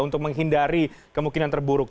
untuk menghindari kemungkinan terburuk